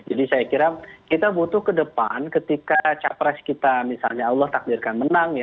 jadi saya kira kita butuh ke depan ketika capres kita misalnya allah takdirkan menang ya